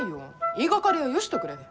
言いがかりはよしとくれ。